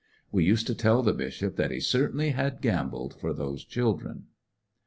" We used to tell the bishop that he certainly had gambled for those children.